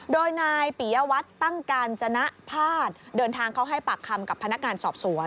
โดยนายปิยวัตรตั้งกาญจนภาษเดินทางเขาให้ปากคำกับพนักงานสอบสวน